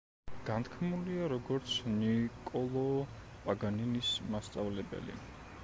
განთქმულია როგორც ნიკოლო პაგანინის მასწავლებელი.